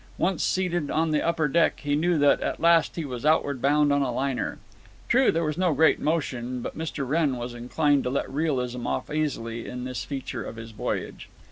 Once seated on the upper deck, he knew that at last he was outward bound on a liner. True, there was no great motion, but Mr. Wrenn was inclined to let realism off easily in this feature of his voyage.